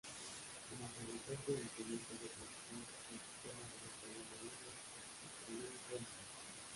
Como fabricante de instrumentos de precisión, practicó la relojería marina, astronómica y civil.